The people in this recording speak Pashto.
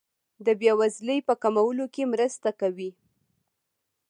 د بیوزلۍ په کمولو کې مرسته کوي.